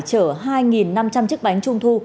chở hai năm trăm linh chiếc bánh trung thu